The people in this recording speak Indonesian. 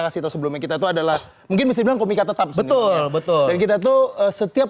kasih sebelumnya kita tuh adalah mungkin bisa bilang komik tetap betul betul kita tuh setiap